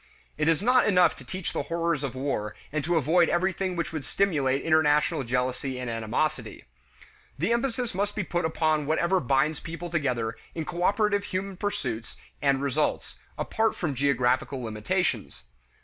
It is not enough to teach the horrors of war and to avoid everything which would stimulate international jealousy and animosity. The emphasis must be put upon whatever binds people together in cooperative human pursuits and results, apart from geographical limitations.